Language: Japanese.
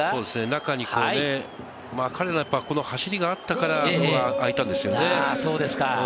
中に彼らは走りがあったから、あそこが空いたんですよね。